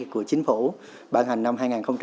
chính phủ bàn hành năm hai nghìn một mươi ba